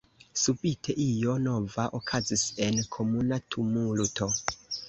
Subite io nova okazis en komuna tumulto.